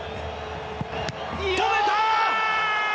止めた！